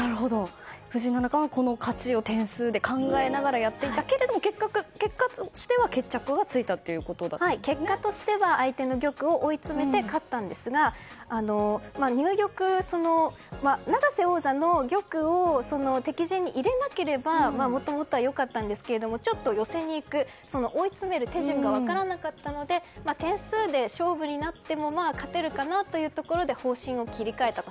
藤井七冠は、この勝ちを点数で考えながらやっていたけれども結果としては決着はついた結果としては相手の玉を追いつめて勝ったんですが永瀬王座の玉を敵陣に入れなければもともとは良かったんですがちょっと寄せに行く追い詰める手順が分からなかったので点数で勝負になっても勝てるかなというところで方針を切り替えたと。